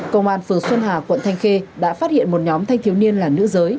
công an phường xuân hà quận thanh khê đã phát hiện một nhóm thanh thiếu niên là nữ giới